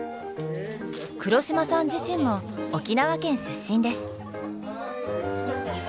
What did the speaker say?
黒島さん自身も沖縄県出身です。